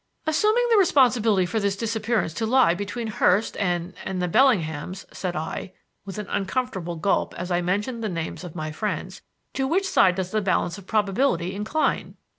"Assuming the responsibility for this disappearance to lie between Hurst and and the Bellinghams," said I, with an uncomfortable gulp as I mentioned the names of my friends, "to which side does the balance of probability incline?"